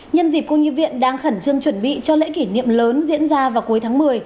nhân dịp cô nhi viện đang khẩn trương chuẩn bị cho lễ kỷ niệm lớn diễn ra vào cuối tháng một mươi